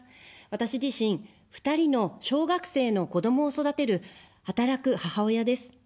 私自身、２人の小学生の子どもを育てる、働く母親です。